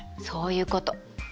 そういうこと。